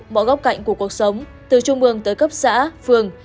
bỏ góc cạnh của cuộc sống từ trung bường tới cấp xã phường